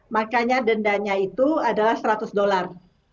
makanya dendanya itu adalah seratus dolar